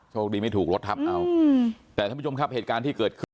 คดีไม่ถูกรถทับเอาแต่ท่านผู้ชมครับเหตุการณ์ที่เกิดขึ้น